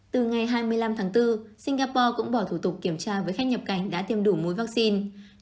từ ngày hai mươi năm tháng bốn singapore cũng bỏ thủ tục kiểm tra với khách nhập cảnh đã tiêm đủ mối vaccine